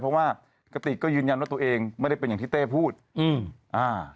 เพราะว่ากติกก็ยืนยันว่าตัวเองไม่ได้เป็นอย่างที่เต้พูดอืมอ่า